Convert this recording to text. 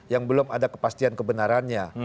yang belum ada kepastian kebenarannya